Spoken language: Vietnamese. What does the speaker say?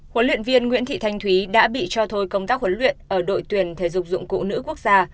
huấn luyện viên nguyễn thị thanh thúy đã bị cho thôi công tác huấn luyện ở đội tuyển thể dục dụng cụ nữ quốc gia